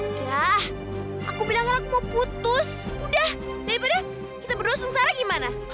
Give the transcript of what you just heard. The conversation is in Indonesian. udah aku bilang anak mau putus udah daripada kita berdua sengsara gimana